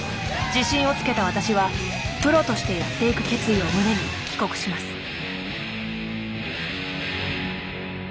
自信をつけた私はプロとしてやっていく決意を胸に帰国します。